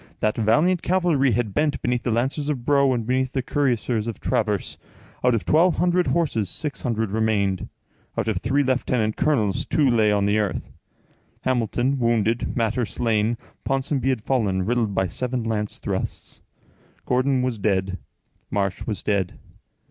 That valiant cavalry had bent beneath the lancers of Bro and beneath the cuirassiers of Travers; out of twelve hundred horses, six hundred remained; out of three lieutenant colonels, two lay on the earth,—Hamilton wounded, Mater slain. Ponsonby had fallen, riddled by seven lance thrusts. Gordon was dead. Marsh was dead.